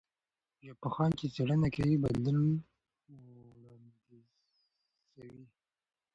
ژبپوهان چې څېړنه کوي، بدلون وړاندیزوي.